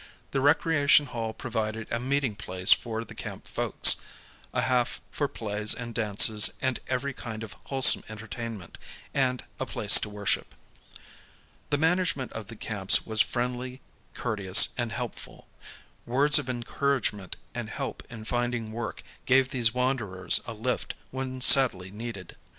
The recreation hall provided a meeting place for the camp folks, a hall for plays and dances and every kind of wholesome entertainment, and a place to worship. The management of the camps was friendly, courteous, and helpful. Words of encouragement and help in finding work gave these wander ers a lift when sadly needed.